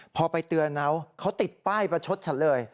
พอไปเตือนเขาติดป้ายประชดฉันเลย